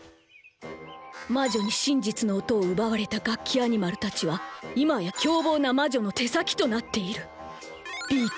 魔女に真実の音を奪われたガッキアニマルたちは今や凶暴な魔女の手先となっている。